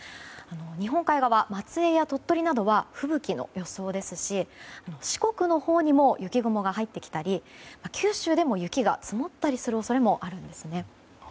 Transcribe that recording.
日本海側の松江や鳥取などでは吹雪の予想ですし四国のほうでも雪が降る恐れがありますし九州でも雪が積もったりする恐れがあるんですね。